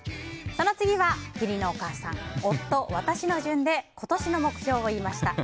その次は義理のお母さん夫、私の順で今年の目標を言いました。